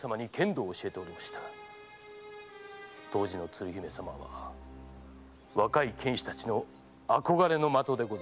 当時の鶴姫様は若い剣士たちの憧れの的でございました。